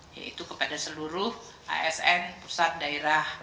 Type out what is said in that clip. yaitu kepada seluruh asn pusat daerah